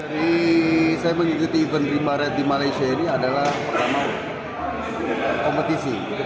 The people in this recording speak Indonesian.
jadi saya mengikuti event rimba raid di malaysia ini adalah pertama kompetisi